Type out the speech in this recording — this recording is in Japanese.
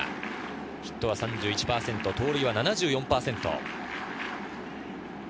ヒット３１％、盗塁は７４％。